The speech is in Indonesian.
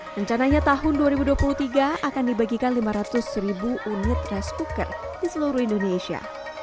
rencananya tahun dua ribu dua puluh tiga akan dibagikan lima ratus ribu unit rice cooker di seluruh indonesia